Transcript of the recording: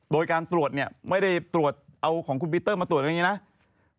โดยการตรวจเนี่ยไม่ได้ตรวจเอาของคุณปีเตอร์มาตรวจไว้อย่างนี้นะ